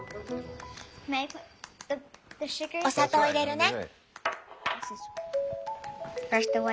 お砂糖入れるね。